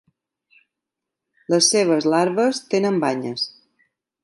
Les seves larves tenen banyes.